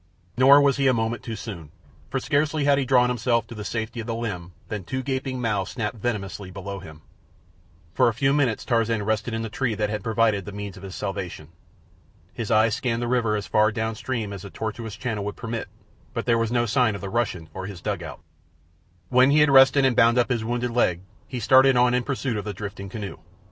Nor was he a moment too soon, for scarcely had he drawn himself to the safety of the limb than two gaping mouths snapped venomously below him. For a few minutes Tarzan rested in the tree that had proved the means of his salvation. His eyes scanned the river as far down stream as the tortuous channel would permit, but there was no sign of the Russian or his dugout. When he had rested and bound up his wounded leg he started on in pursuit of the drifting canoe.